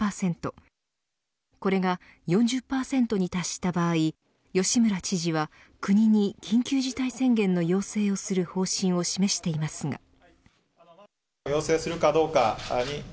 これが４０％に達した場合吉村知事は国に緊急事態宣言の要請をする方針を示していますが。